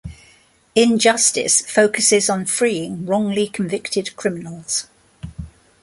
"In Justice" focuses on freeing wrongly convicted criminals.